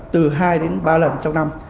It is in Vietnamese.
từ hai đến ba lần trong năm